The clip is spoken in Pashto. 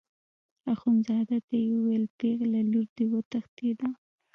اخندزاده ته یې وویل پېغله لور دې وتښتېده.